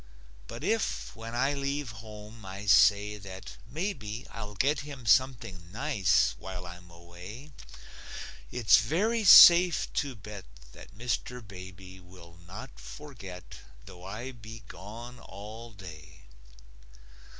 But if, when I leave home, I say that maybe I'll get him something nice while I'm away, It's very safe to bet that Mr. Baby Will not forget, though I be gone all day.